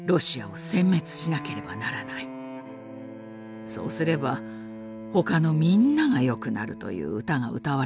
そうすれば他のみんながよくなるという歌が歌われているようです。